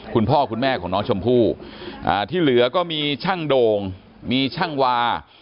คุณพ่อคุณแม่ของน้องชมพู่ที่เหลือก็มีช่างโด่งมีช่างวา